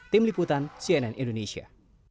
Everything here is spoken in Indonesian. tim liputan cnn indonesia